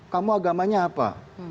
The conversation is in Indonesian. kamu agamanya apa